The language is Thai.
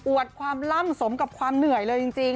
ความล่ำสมกับความเหนื่อยเลยจริง